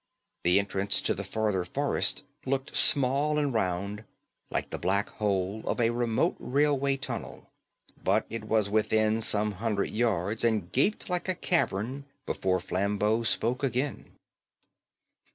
The entrance to the farther forest looked small and round, like the black hole of a remote railway tunnel. But it was within some hundred yards, and gaped like a cavern before Flambeau spoke again.